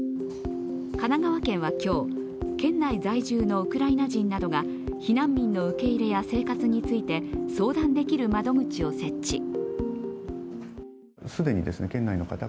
神奈川県は今日、県内在住のウクライナ人などが避難民の受け入れや生活について相談できる窓口を設置。